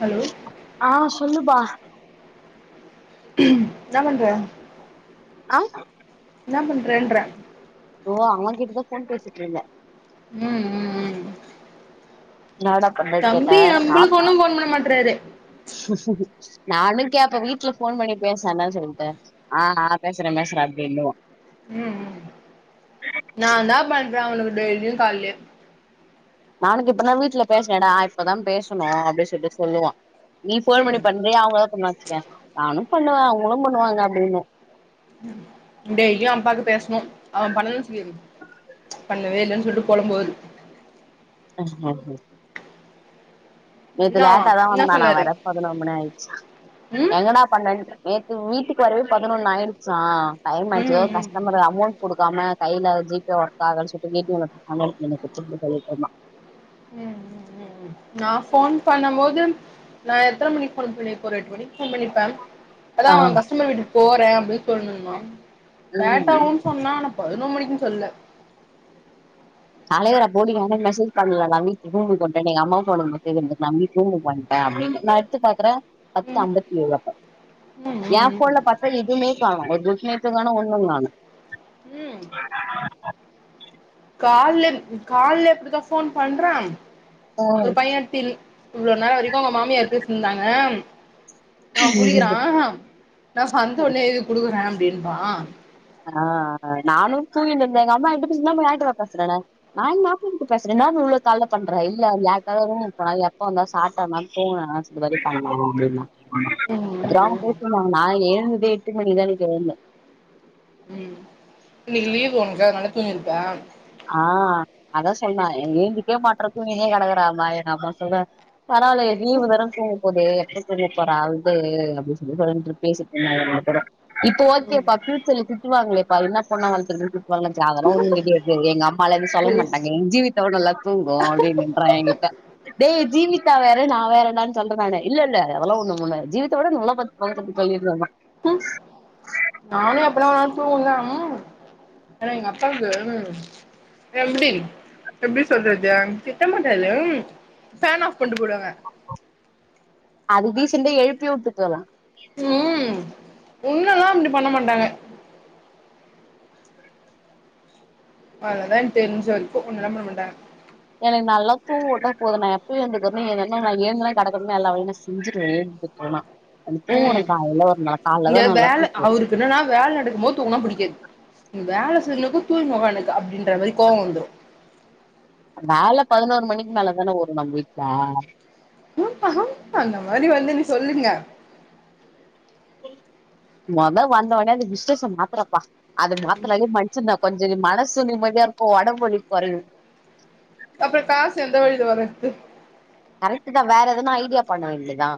Hello ஆ சொல்லுபா என்னா பண்ற? ஆ என்னா பண்றேன்ற ஓ அவங்கிட்டதா போன் பேசிட்டுருந்தே ம் ம் ம் ன்னாடாப் தம்பி நம்பளுக்கு ஒன்னு போன் பண்ண மாட்றாரு நானு கேப்ப வீட்ல போன் பண்ணி பேசேன்டா சொல்ட்டு ஆ ஆ பேசுறே பேசுறே அப்டின்னுவா ம் ம் நாந்தா பண்ற அவனுகு டெயலியு காலையிருந் நானு கேப் இப்பதா வீட்ல பேசுனேடா இப்பதா பேசுனோ அப்டின் சொல்ட்டு சொல்லுவா நீ போன் பண்ணி ம் பண்ணுவியா அவங்களா பண்ணா வச்சிக்யா நானு பண்ணுவே அவங்களு பண்ணுவாங்க அப்டின்னு டெய்லியு அப்பாக்கு பேசனு அவன் பண்ணலனு சொல்லிரு பண்ணவே இல்லன் சொல்ட்டு பொலம்புவாரு நேத்து என்னாவா லேட்டாதா என்ன வந்தான சொன்னாரு வர பதினோரு மணி ஆயிச்சா ம் எங்கடா பண்ணேனு நேத் வீட்டுக்கு வரவே பதினொன்னு ஆயிடுச்சா டைம் ஆயிடுச்சு எதோ ம் ஒரு ம் கஸ்டமர் அமௌண்ட் குடுக்காம கையில ஜி பே ஒர்க் ஆகலன்னு சொல்ட்டு ஏ டி எம் ல போய் பணம் எடுத்துனு வந்து குடுத்துட்டுனு சொல்லிட்டுருந்தா ம் ம் ம் நா ஃபோன் பண்ணம் போது நா எத்தன மணிக் போன் பண்ணிருப்ப ஒரு எட்டு மணிக்கு போன் பண்ணிருப்பே அதா ஆ அவ கஸ்டமர் வீட்டுக்கு போறே அப்டின் சொல்ட்டுருந்தா ம் லேட்டாகுன் சொன்னா ஆனா பதினொ மணிக்னு சொல்ல காலைல என [unintelligible] வந்து மெசேஜ் பண்ணல நா வீட்டு ரூமுக்கு வந்ட்டேன எங்க அம்மாவு ஃபோன்ல மெசேஜ் அனுப்னாங்க வீட் ரூம்க்கு வந்ட்டே அப்டினு நா எடுத்து பாக்குறே பத்து ம் அம்பத்தி ஏழு அப்போ ம் ஏ ம் ம் ஃபோன்ல பாத் அப்ப எதையுமே காணோ ஒரு [unintelligible] காணோ ஒன்னு காணு ம் கால்லே கால்லே இப்டித்தா ஃபோன் பண்ற ம் ஒரு பைய எடுத் இல் இவ்ளோ நேரோ வரைக்கு அவ்ங்க மாமியார் பேசிட்ருந்தாங்க அவெ குளிக்கறா நா சந்து உள்ளே எழுதி குடுக்குற அப்டின்றா ஆ நானு தூங்கின்ருந்த எங்க அம்மா என்ட்ட [unintelligible] பேசறனா நா எங் மாப்ள கிட்ட பேசற இன்னா இவ்ளோ காலைல பண்ற [unintelligible] எப்ப வந்த சாப்ட்டமா தூங்குனமா இந்த மாரி பண்றா ம் ம் அப்டின்னா ஆமா ம் [unintelligible] நா எழுந்ததே எட்டு மணிக்குதா இன்னிக்கு எழுந்த ம் இன்னைக்கு லீவு ஒனுக்கு அதனால தூங்கிருப்ப ஆ அதா சொன்னா எழுந்துக்கவே மாட்ற தூங்கினே கடகுறாங்க எங்க அம்மா சொல்றா பரவால்ல லீவுதான தூங்கபோது தூங்கிட்போற விடு அப்டின் சொல்லி பேசிட் இருந்தாங்க ரெண்டு ம் பேரு திட்டுவாங்களேப்பா என்ன பண்ணாங்க [unintelligible] அதுல ஒன்னு இல்லடி எங்க அம்மால எது சொல்ல ஐயோ மாட்டாங்க என் ஜீவித்தோட நல்லா தூங்கு அப்டின்றா என்கிட்ட டேய் ஜீவிதா வேற நா வேறடான்னு சொல்ற நானு இல்ல இல்ல அதுலா ஒன்னு பண்ணாது ஜீவிதா வோட நல்லா பண் வாய தொறந்து போயிரலாமா நானே அப்டில்லா தூங்குனா ஏனா எங்க அப்பாக்கு எப்டி எப்டி சொல்றது திட்ட மாட்டாரு ஃபேன் ஆஃப் பண்ணிட்டு போயிடுவாங்க அது டீசெண்ட்டா எழுப்பி விட்டு போலா ம் உன்னலா அப்டி பண்ண மாட்டாங்க அததா எனக்கு தெரிஞ்ச வரைக்கு உன்னலா பண்ண மாட்டாங்க எனக் நல்லா தூங்கவுட்டா போது நா எப்பயு எழுந்துக்கர்னோ நா எந்தன்னா கட கடணு எல்லா வேலயு செஞ்சுருவ எந்து எனக் ம் தூங்கணு காலைல ஒரு காலைல தா நல்லா தூக்க வரு என்னனா வேல நடக்குபோது தூங்குனா புடிக்காது வேல சொல்லிருக்க தூங்கின் உக்காந்துருக்க அப்டின்ற மாரி கோவோ வந்ரு மேல பதினொரு மணிக் மேல தான வரு நம்ம வீட்ல ஹூம்தா ஹூம்தா அந்த மாரி வந்தோனே சொல்லுங்க மொத வந்தோனே அந்த பிஸினஸ மாத்தரப்பா அது மாத்தனாலே மை ச்சுனா கொஞ்சோ மனசு நிம்மதியா இருக்கு உடம்பு வலி கொறயு அப்றோ காசு எந்த வழில வரது கரெக்ட் தா வேற எதுனா ஐடியா பண்ண வேண்டியதுதா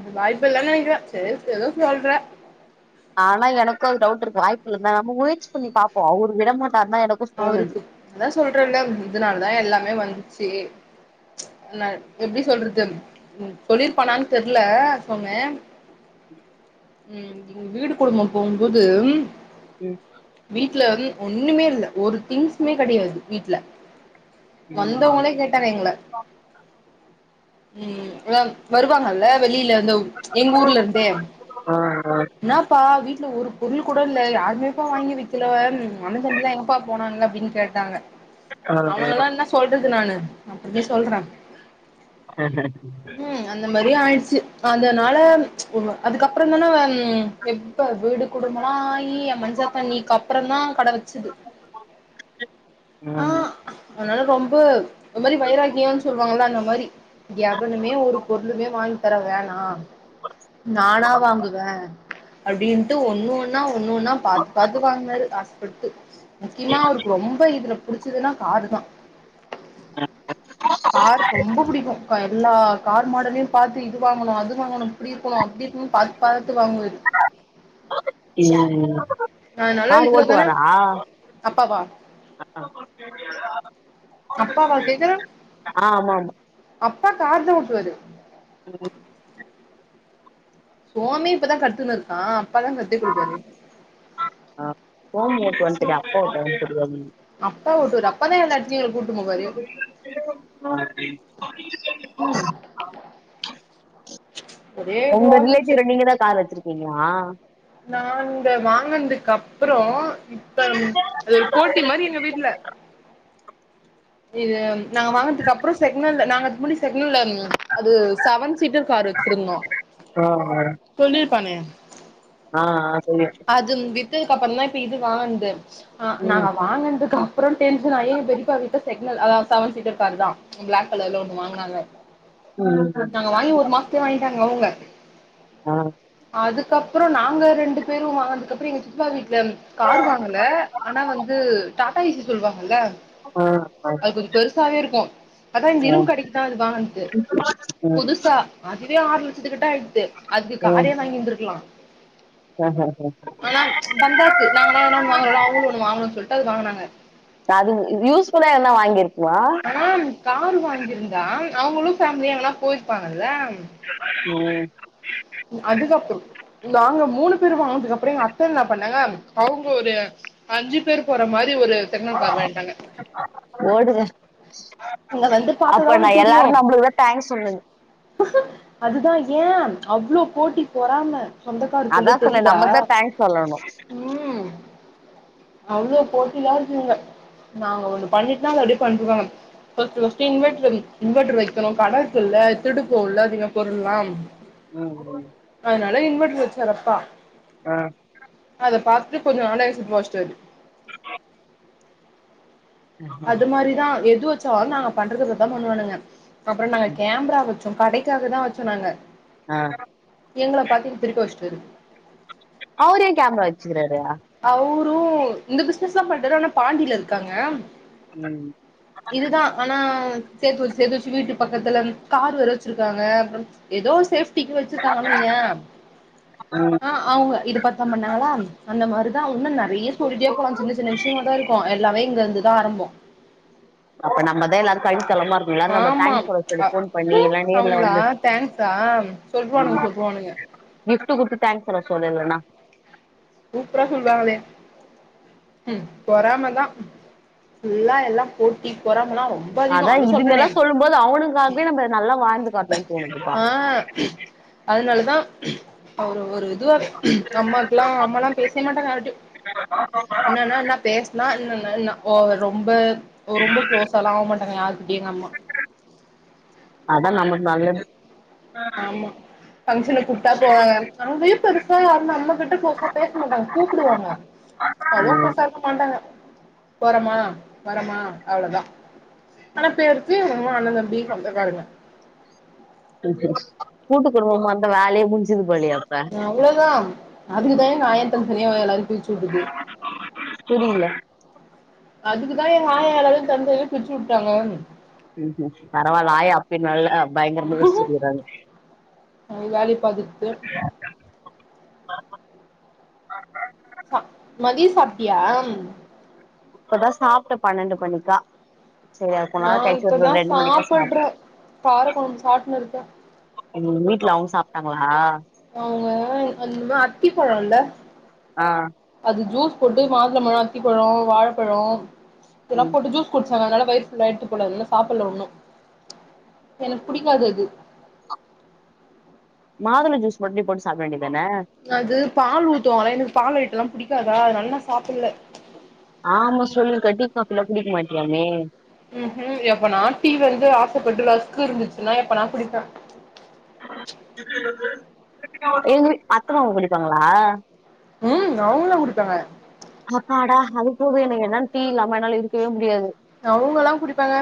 அ வாய்ப்பு இல்லனு நினைக்கற சேரி ஏதோ சொல்ற ஆனா எனக்கு அது டவுட் இருக்கு வாய்ப்பு இருந்தா நம்ம முயற்சி பண்ணி பாப்போ அவரு விட மாட்டாருந்தா எனக்கு தோணுது அவருக்கு அதா சொல்றல இதுனால தா எல்லாமே வந்துச்சு நா எப்டி சொல்றது சொல்லிருப்பனான் தெர்ல சொன்ன ம் வீடு குடும்போ போம்போது ம் வீட்ல ஒண்ணுமே இல்ல ஒரு திங்ஸ்மே கெடையாது வீட்ல ஆ வந்தவங்களே கேட்டாங்க எங்கள ம் வ வர் வாங்கல்ல வெளில இருந்து எங்க ஊர்ல இருந்தே ஆஆ என்னாப்பா வீட்ல ஒரு பொருள் கூட இல்ல யாருமேப்பா வாங்கி வக்கில அண்ண தம்பிலா எங் கப்பா போனான்ங்க அப்டின் கேட்டாங்க [unintelligible] அவனலா என்ன சொல்றது நானு அப்றமே சொல்ற ஆஹா கூத்து அந்த மாரி ஆய்டுச்சு அதனால அதுக்கப்பறோ தான எப்ப வீடு குடும்பல ஆயி என் மஞ்ச தண்ணிக்கு அப்பறோ தா கட வச்சுது அ ம் அதனால ரொம்ப இந்த மாரி வைராகியோன் சொல்லுவாங்களா அந்த மாரி எவனுமே ஒரு பொருளுமே வாங்கி தர வேணா நானா வாங்குவ அப்டின்ட்டு ஒண்ணு ஒன்னா ஒண்ணு ஒன்னா பாத்து பாத்து வாங்குனாரு ஆசப்பட்டு முக்கியமா அவருக்கு ரொம்ப இதுல புடிச்சதுன்னா காருதா ஆ கார் ரொம்ப புடிக்கு ப்ப எல்லா கார் மாடலயு பாத்து இது வாங்கணு அது வாங்கணு இப்டி இருக்குணு அப்டி இருக்னு பாத்து பாத்து வாங்குவாரு ம் ம் அதனால கார் இதுல தான ஓட்டுவாரா அப்பாவா அ அப்பாவா கேக்குற ஆமாமா அப்பா கார் தா ஓட்டுவாரு சோமே இப்பதா கத்துனு இருக்கா அப்பாதா கத்து குடுப்பாறு ஆ ஓம் ஓட்டு வன்ட்டு யா அப்பா ஓட்ட வன்ட்டு அப்பா ஓட்டுவாரு அப்பாதா எல்லா எடத்துலயு எங்கள கூட்டுனு போவாரு [unintelligible] ம் [unintelligible] ஒரே ஒங்க இதுவா இருந்துச்சு ரிலேட்டிவ்ல நீங்க தா கார் வச்சிருக்கீங்ளா நாங்க வாங்கனதுக்கு அப்றோ இப்ப அது ஒரு போட்டி மாரி எங்க வீட்ல இது நாங்க வாங்னதுக்கு அப்றோ செக்னல்ல நாங்க அதுக் முடிஸ் செக்னல அது செவன் சீட்டர் கார் வச்சிருந்தோ அஹ தொல்லிருப்பானே ஆ ஆ சொல்லிச் அது வித்ததுக்கு அப்றோ தா இப்ப இது வான்து ஆ நாங்க ம் வாங்னதுக் அப் அப்றோ டென்ஷன் ஆயி பெரிப்பா வீட்ட செக்னல் அதா செவன் சீட்டர் கார் தா பிளாக் கலர்ல ஒண்ணு வாங்னாங்க ம் நாங்க வாங்கி ஒரு மாசத்துலே வாங்கிட்டாங்க அவுங்க ஆ அதுக்கப்றோ நாங்க ரெண்டு பேரு வாங்கனதுக்கப்றோ எங்க சித்தப்பா வீட்ல கார் வாங்கல ஆனா வந்து டாடா ஏசி சொல்வாங்கல ஆ ஆ அது கொஞ்சோ பெருசாவே இருக்கு அதா இந்த ஆ இரும் கடக்கிதா அது வாங்னது ம் புதுசா அதுவே ஆறு லட்சத்துக்கிட்ட ஆயிடுத்து அதுக்கு ம் காரயே வாங்கிருந்திக்லா ஆ ஹ ஆனா பந்தாக்கு நாங்காள எதுன ஒன்னு வாங்கனோள அவுங்களு ஒன்னு வாங்கணுனு சொல்ட்டு அது வாங்குனாங்க அதுவு யூஸ்ஃபுல்லா எதுனா வாங்கியிருக்லா ஆனா கார் வாங்கிருந்தா அவுங்களு ஃபேமிலியா எங்கனா போயிருப்பாங்கல ம் அதுக்கப்பு நாங்க மூணு பேரு வாங்கனதுக்குப்புற எங்க அத்த என்ன பண்ணாங்க அவுங்க ஒரு அஞ்சு பேர் போற மாரி ஒரு செகனன் கார் வாங்கிடாங்க ஓடுங்க அங்க வந்து பாத்ததா அப்ப நா உனக்கு தெரியு எல்லாரு நம்பளுக்குதா தேங்க்ஸ் சொல்லுங் அதுதா ஏ அவ்ளோ போட்டி பொறாம அதா சொந்தக்காருக்குள்ளே சொன்னே தெரிதா நம்மதா தேங்க்ஸ் சொல்லணு ம் ம் அவ்ளோ போட்டியா இருக்குங்க நாங்க ஒண்ணு பண்ணிட்டா அப்டி பண்றுவாங்க ஃபஸ்ட்டு ஃபஸ்ட்டு இன்வெட்ரு இன்வெட்ரு வக்கணு கட இருக்குல திருடு போவுல அதிக பொருள்லா ம் ம் அதுனால இன்வெட்ரு வச்சாறு அப்பா அ அத பாத்துட்டு கொஞ்ச நாள்ல ஏ சித்தப்பா வஸ்ட்டாரு அது மாரிதா எது வச்சாலு நாங்க பண்றத பாத்தா பண்ணுவாணுங்க அப்றோ நாங்க கேமரா வச் சோ கடைக்காகதா வச்சோ நாங்க அ எங்கள பாத்திட் திருப்பி வஸ்டாரு அவரு ஏ கேமரா வச்சுகிறாரு அவ்ரு இந்த பிசினஸ்தா பண்றாரு ஆனா பாண்டில இருக்காங்க உம் இதுதா ஆனா சேத்து வச்சு சேத்து வச்சு வீட்டு பக்கத்துல கார் வேற வச்சுருக்காங்க அப்றோ ஏதோ சேஃப் டிக்கு வச்சுருக்காங்களு இவ்ங்க ஆ அவ்ங்க இது பாத்தா பண்ணாங்களா அந்த மாரி தா வுன்ன நெறைய சொல்லிட்டே போலா சின்ன சின்ன விஷயமா தா இருக்கு எல்லாமே இங்க இருந்துதா ஆரம்போ அப்ப நம்மதே எல்லாரு கை செலம்பா இருக் எல்லாரு நம்மள ஆமா தங்க்ஸ் சொல்ல சொல்லி அ ஃபோன் பண்ணி ம் எல்லா நேர்ல அவங்களா வந்து தேங்க்ஸா சொல்லுவானுங்க ஆமா சொல்லுவானுங்க கிஃப்ட் குடுத்து தங்க்ஸ் சொல்ல சொல்லு இல்லேனா சூப்ரா சொல்வாங்களே ம் பொறமதா ஃபுல்லா எல்லா போட்டி பொறாமலா ரொம் அதா இதுங்கல்லா சொல்லும்போது அவனுக்காகவே நம்ம நல்லா வாழ்ந்து காட்டணு சுகந்தி ஆ அதுனாலதா அவரு ஒரு இதுவா அம்மாக்லா அம்மாலா பேசவே மாட்டாங்க யாருடையு [inaudible] என்னான்னா என்னா பேஸ்னா என்னான்னா என்னா ஓவர் ரொம்ப ஒ ரொம்ப குளோஸாலா ஆகமாட்டாங்க யாருகிட்டயு எங்க அம்மா அதா நமக்கு நல்லது ஆமா பங்ஷனுக் கூப்ட்டா போவாங்க அங்கயு பெருசா யாரு நம்ம கிட்ட க்ளோஷா பேச மாட்டாங்க கூப்புடுவாங்க அது கூப்டா மாட்டாங்க போரமா வரமா அவ்ளதா ஆனா பேருக்கு [unintelligible] அண்ண தம்பி சொந்தகாரங்க கூட்டு குடும்பமா இருந்தா வேலயே முடுஞ்சது போலயே அப்ப அவ்ளதா அதுக்குதா எங்க ஆயா தனித்தனியா எல்லாரயு பிருச்சு வுடுது கூடும்முல அதுக்குதா ஏ ஆயா எல்லாரயு தனித்தனியா பிருச்சு வுட்டாங்க ம் பரவால்ல ஆயா பின்வால்ல பயங்கரமா ரெஸ்ட் எடுக்குறாங்க வேலைய பாத்துக்கிட்டு சா மதிய சாப்டியா இப்பதா சாப்ட்டே பன்னண்டு மணிக்கா சே அதுக்கு நா மேல பேச்சு வர்தா இப்பதா ரெண்டு மணிக் தா சாப்டே சாப்புட்றே கார கொழம்பு சாப்ட்டுனு இருக்கே உங்க வீட்ல அவ்ங்க சாப்ட்டாங்களா அவங்க வந் அத்திப்பழல்ல ஆ அது ஜூஸ் போட்டு மாதுளபழ அத்திப்பழ வாழப்பழ இதெல்லா ம் போட்டு ஜூஸ் குடிச்சாங்க அதுனால வயிறு ஃபுல்லா ஆயிட்டு போல அதனால சாப்புல ஒண்ணு எனக்கு பிடிக்காது அது மாதுள ஜூஸ் ஒடனே போட்டு சாப்பிட வேண்டியதானே அது பால் ஊத்துவோல எனக்கு பால் ஐட்டல்லா புடிக்காதா அதுனால நா சாப்புல்ல ஆமா சொல்லு டீக்காப்பிலா குடிக்க மாட்டியாமே ம்ஹீம் எப்பனா டீ வந்து ஆசப்பட்டு ரஸ்க் இருந்துச்சுன்னா எப்பனா குடிப்பே ஏது அத்த மாமா குடிப்பாங்களா ம் அவுங்களா குடிப்பாங்க அப்பாடா அது போது எனக்கு என்னன் டீ இல்லாம என்னால இருக்கவே முடியாது அவுங்கலா குடிப்பாங்க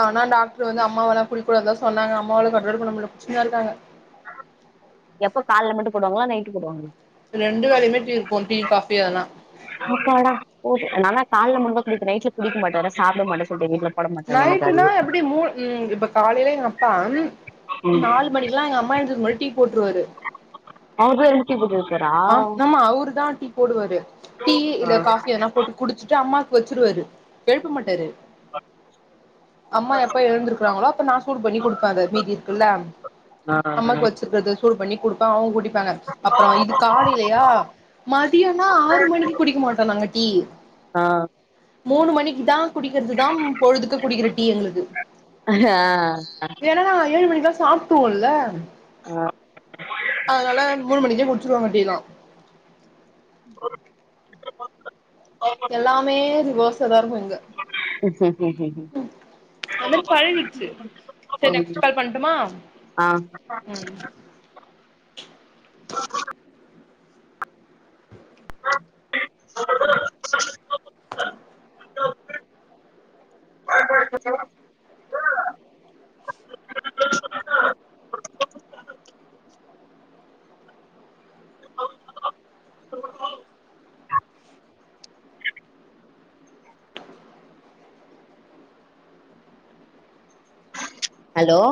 ஆனா டாக்டர் வந்து அம்மாவலா குடிக்கூடந்தா சொன்னங்க அம்மாவால கன்ட்ரோல் பண்ண முடியல குடிச்சுதா இருக்காங்க எப்ப கால்ல மட்டு போடுவாங்களா நைட்டு போடுவாங்களா ரெண்டு வேலயுமே டீ இருக்கு டீ காபி எதனா அப்பாடா போ நால்லா கால்ல மட்டுந்தா குடிப்பே நைட்ல குடிக்க மாட்டோ சாப்புட மாட்டே சொல்டு எங்க வீட்ல போட மாட்டாங்க எனக்கு நைட்டுனா அது எப்புடி மூ இப்ப காலயில எங்கப்பா ம் நாலு மணிக்குலா எங்க அம்மா எந்திரிக்க முன்னாடி டீ போட்ருவாரு அவரு தா எழுந்து டீ போட்டுவப்பாரா ஆ ஆமா அவரு தா டீ போடுவாரு டீ ஆ இல்ல காஃபி எதுனா போட்டு குடுச்சுட்டு அம்மாக்கு வச்சிருவாரு எழுப்ப மாட்டாரு அம்மா எப்ப எழுந்திருக்கிறாங்களோ அப்ப நா சூடு பண்ணி குடுப்பே அத மீதி இருக்குல்ல ஆ அம்மாக்கு வச்சு இருக்கிறத சூடு பண்ணி குடுப்பே அவங்க குடிப்பாங்க அப்புற இது காலயிலயா மதியனா ஆறு மணிக்கு குடிக்க மாட்டோ நாங்க டீ ஆ மூணு மணிக்கு தா குடிக்கிறதுதா பொழுதுக்கு குடிக்கிற டீ எங்களுக்கு ஹ ஏன்னா நா ஏழு மணிக்கலா சாப்ட்ருவோல்ல ஆ அதுனால மூணு மணிக்கே குடிச்சிருவாங்க டீலா [inaudible] எல்லாமே ரிவர்ஸா தா இருக்கு இங்க [unintelligible] அது பழகிடுச்சு சரி நெக்ஸ்ட் ம் கால் பண்ட்டுமா ஆ ம் [inaudible] [inaudible] ஹலோ